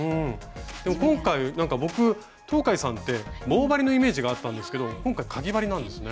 でも今回僕東海さんって棒針のイメージがあったんですけど今回かぎ針なんですね。